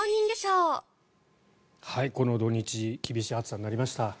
この土日厳しい暑さになりました。